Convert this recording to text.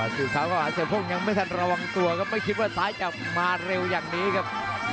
เสียโภงยังไม่ทันระวังตัวครับไม่คิดว่าสายจะมาเร็วอย่างนี้ครับ